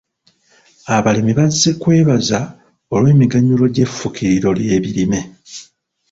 Abalimi bazze kwebaza olw'emiganyulo gy'effukiriro ly'ebirime.